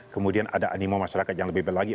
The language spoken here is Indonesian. kemudian ada animo masyarakat yang lebih baik lagi